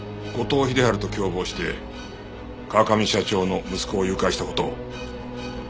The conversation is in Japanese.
後藤秀春と共謀して川上社長の息子を誘拐した事を。